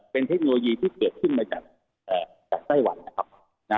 เป็นเทคโนโลยีที่เกิดขึ้นจากไต้หวัน